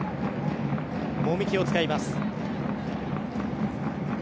籾木を使います。